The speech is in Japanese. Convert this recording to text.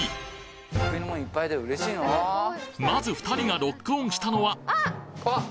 まず２人がロックオンしたのはあっ！